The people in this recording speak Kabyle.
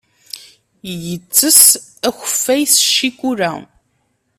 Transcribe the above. Yettess akeffay s ccikula.